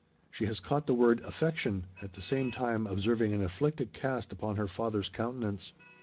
She has caught the word "affection," at the same time observing an afflicted cast upon her father's countenance.